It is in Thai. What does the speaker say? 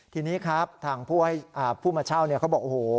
ทีนี้ครับทางผู้มาเช่าเขาบอกโอ้โห